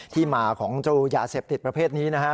ที่มาของเจ้ายาเสพติดประเภทนี้นะครับ